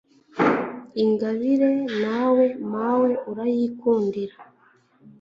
ingabire, nawe mawe urayikundira